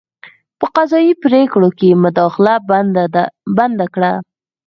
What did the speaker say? په قضايي پرېکړو کې مداخله بنده کړه.